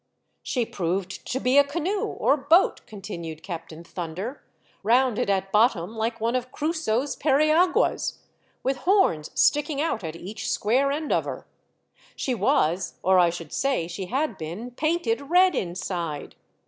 " She proved to be a canoe or boat," con tinued Captain Thunder, "rounded at bottom like one of Crusoe's periaguas, with horns sticking out at each square end of her. She 512 THE DEATH SHIP. was, or I should say she had been, painted red Inside.